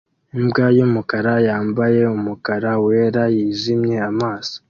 Imbwa yumukara yambaye umukara wera yijimye amaso